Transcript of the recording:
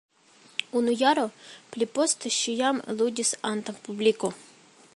Unu jaro pliposte ŝi jam ludis antaŭ publiko.